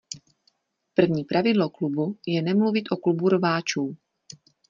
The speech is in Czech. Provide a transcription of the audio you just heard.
První pravidlo Klubu je nemluvit o Klubu rváčů.